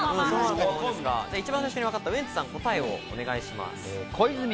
一番最初にわかったウエンツさん、答えをお願いします。